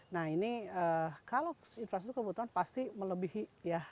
nah ini kalau infrastruktur kebutuhan pasti melebihi ya